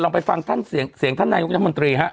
ลองไปฟังเสียงท่านนายกรัฐมนตรีฮะ